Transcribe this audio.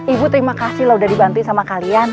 ibu terima kasih loh udah dibantu sama kalian